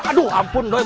aduh ampun doi